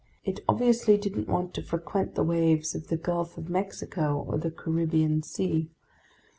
It obviously didn't want to frequent the waves of the Gulf of Mexico or the Caribbean Sea.